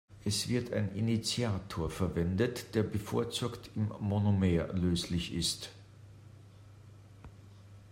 Es wird ein Initiator verwendet, der bevorzugt im Monomer löslich ist.